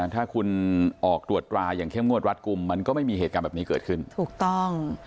ถ้าคุณออกตรวจตราอย่างเข้มงวดรัดกลุ่มมันก็ไม่มีเหตุการณ์แบบนี้เกิดขึ้นถูกต้อง